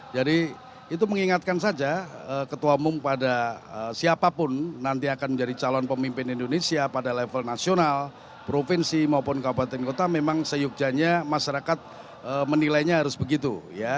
jadi itu mengingatkan saja ketua umum pada siapapun nanti akan menjadi calon pemimpin indonesia pada level nasional provinsi maupun kabupaten kota memang seyukjanya masyarakat menilainya harus begitu ya